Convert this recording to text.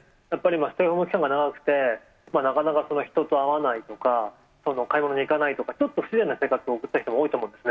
ステイホーム期間が長くなって、なかなか人と会わないとか、買い物に行かないとか、ちょっと不自然な生活を送った人も多いと思うんですね。